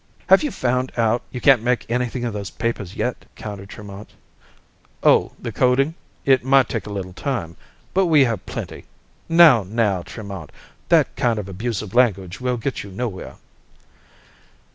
"Have you found out you can't make anything of those papers yet?" countered Tremont. "Oh, the coding? It might take a little time, but we have plenty ... now, now, Tremont! That kind of abusive language will get you nowhere."